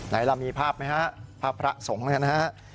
ไหนละมีภาพไหมฮะภาพพระสงศ์นะฮะ